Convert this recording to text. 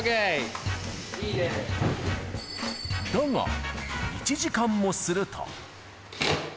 だが、１時間もすると。